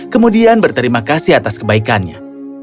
kemudian berterima kasih atas kebaikannya